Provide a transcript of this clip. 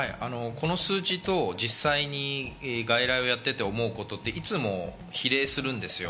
この数字と実際に外来をやっていて思うことは、いつも比例するんです。